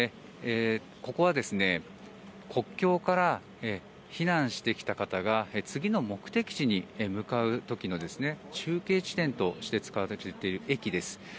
ここは国境から避難してきた方が次の目的地に向かう時の中継地点として使われている駅です。